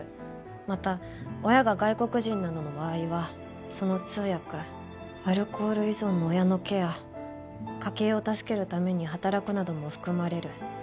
「また親が外国人などの場合はその通訳」「アルコール依存の親のケア」「家計を助けるために働くなども含まれる」